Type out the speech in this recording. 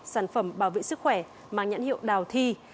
sản phẩm bảo vệ sức khỏe mang nhãn hiệu đào thi